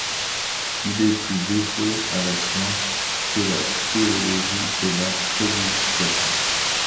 Il est plus dévoué à la science que la théologie et la prédication.